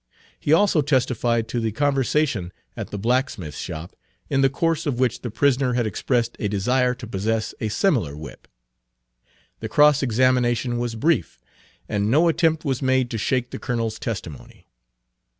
He also testified to the conversation at the blacksmith Page 301 shop in the course of which the prisoner had expressed a desire to possess a similar whip. The cross examination was brief, and no attempt was made to shake the Colonel's testimony.